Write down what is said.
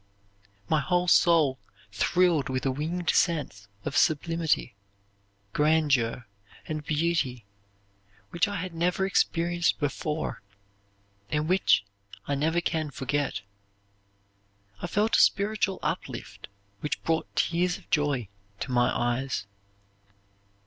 My whole soul thrilled with a winged sense of sublimity, grandeur, and beauty, which I had never experienced before, and which I never can forget. I felt a spiritual uplift which brought tears of joy to my eyes.